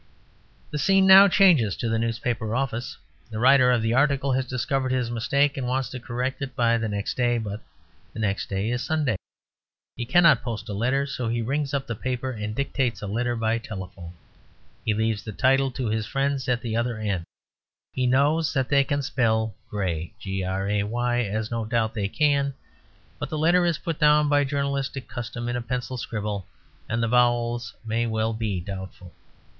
The scene now changes to the newspaper office. The writer of the article has discovered his mistake and wants to correct it by the next day: but the next day is Sunday. He cannot post a letter, so he rings up the paper and dictates a letter by telephone. He leaves the title to his friends at the other end; he knows that they can spell "Gray," as no doubt they can: but the letter is put down by journalistic custom in a pencil scribble and the vowel may well be doubtful.